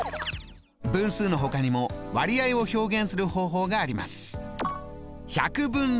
分数のほかにも割合を表現する方法があります。